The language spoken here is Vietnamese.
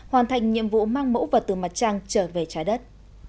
hoàn thành nhiệm vụ mang mẫu vật từ mặt trăng trở về trái đất